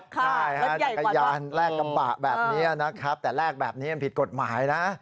ใช่ฮะจักรยานแลกกระบะแบบนี้นะครับแต่แลกแบบนี้มันผิดกฎหมายนะ